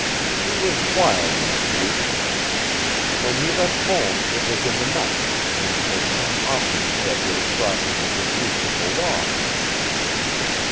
He was wild in his youth. When he left home it was in the night, and for some offense that would have brought him within reach of the law.